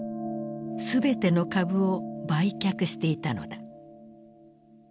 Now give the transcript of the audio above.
全ての株を売却していたのだ。